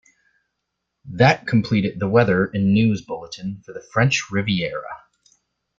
That completed the weather and news bulletin for the French Riviera.